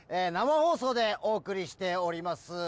生放送でお送りしております。